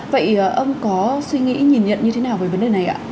vậy ông có suy nghĩ nhìn nhận như thế nào về vấn đề này ạ